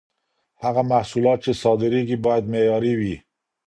هغه محصولات چي صادرېږي، بايد معياري وي.